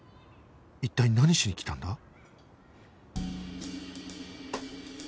一体何しに来たんだ？